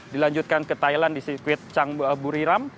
dilanjutkan ke thailand di circuit changbu aburiram